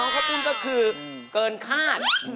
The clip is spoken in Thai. ขอบคุณก็คือเกินคาด